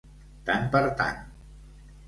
Tant per tant.